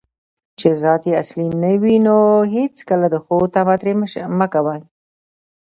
چې ذات یې اصلي نه وي، نو هیڅکله د ښو طمعه ترې مه کوه